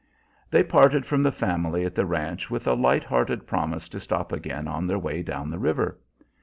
They parted from the family at the ranch with a light hearted promise to stop again on their way down the river.